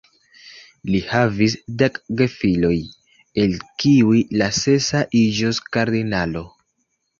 Li havis dek gefilojn, el kiuj la sesa iĝos kardinalo.